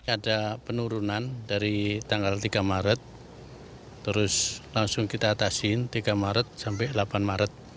ada penurunan dari tanggal tiga maret terus langsung kita atasin tiga maret sampai delapan maret